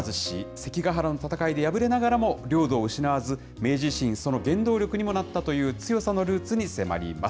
関ヶ原の戦いで敗れながらも、領土を失わず、明治維新、その電動力にもなったという強さのルーツに迫ります。